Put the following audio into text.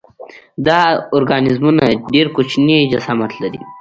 دا ارګانیزمونه ډېر کوچنی جسامت لري.